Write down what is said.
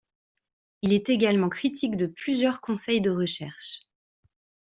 Il est également critique de plusieurs conseils de recherche.